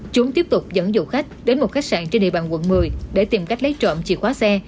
chúng tiếp tục dẫn dụ khách đến một khách sạn trên địa bàn quận một mươi để tìm cách lấy trộm chìa khóa xe